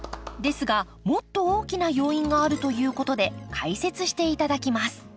ですがもっと大きな要因があるということで解説して頂きます